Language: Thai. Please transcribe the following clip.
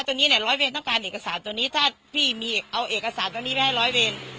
ตัวนี้เนี่ยร้อยเวรต้องการเอกสารตัวนี้ถ้าพี่มีเอาเอกสารตัวนี้ไปให้ร้อยเวร